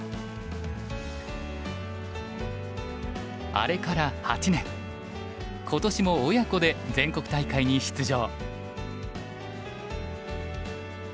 あれから８年今年も親子で全国大会に出場。